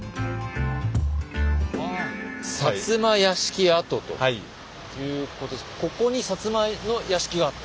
薩摩屋敷跡ということですけどここに薩摩の屋敷があった？